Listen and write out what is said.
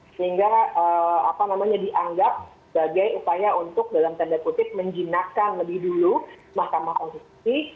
sehingga dianggap sebagai upaya untuk dalam tanda kutip menjinakkan lebih dulu mahkamah konstitusi